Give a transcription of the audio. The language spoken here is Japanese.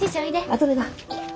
あとでな。